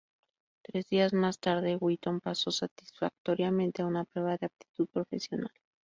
Tres días más tarde Wheaton pasó satisfactoriamente una prueba de aptitud profesional.